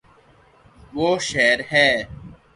وہ شہر ہے